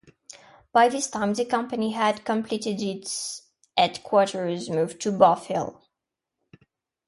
By this time the company had completed its headquarters move to Bothell.